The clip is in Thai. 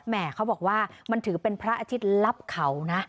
เขาบอกว่ามันถือเป็นพระอาทิตย์ลับเขานะ